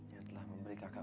yang telah memberi kakak